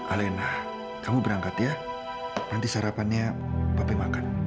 alena kamu berangkat ya nanti sarapannya bapak makan